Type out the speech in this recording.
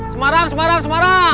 semarang semarang semarang